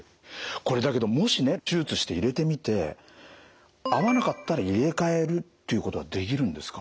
これだけどもしね手術して入れてみて合わなかったら入れ替えるっていうことはできるんですか？